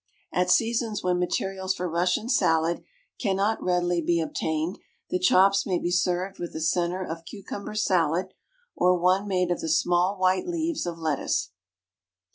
At seasons when materials for Russian salad cannot readily be obtained the chops may be served with a centre of cucumber salad, or one made of the small white leaves of lettuce.